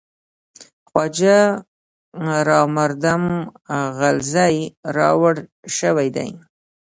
خواجه را مردم غلزی راوړل شوی دی.